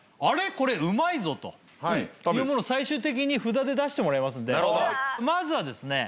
これうまいぞというものを最終的に札で出してもらいますので。